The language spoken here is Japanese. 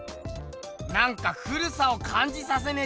なんか古さをかんじさせねえ